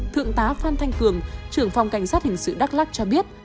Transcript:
thượng tá phan thanh cường trưởng phòng cảnh sát hình sự đắk lắc cho biết